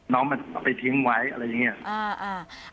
น้องมันเอาไปทิ้งไว้อะไรอย่างนี้